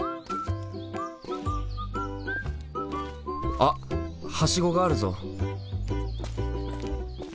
あはしごがあるぞ。